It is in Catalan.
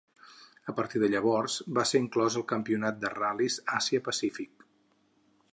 A partir de llavors, va ser inclòs al Campionat de Ral·lis Àsia Pacífic.